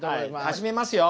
始めますよ。